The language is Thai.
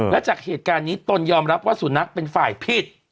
และจากเหตุการณ์นี้ตนยอมรับว่าสุนัขเป็นฝ่ายผิด